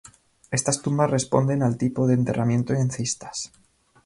Estas tumbas responden al tipo de enterramiento en cistas.